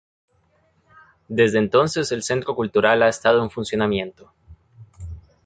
Desde entonces el centro cultural ha estado en funcionamiento.